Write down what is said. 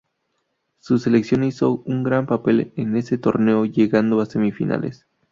Su selección hizo un gran papel en ese torneo, llegando a semifinales.